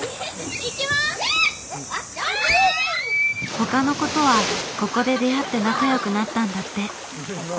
他の子とはここで出会って仲良くなったんだって。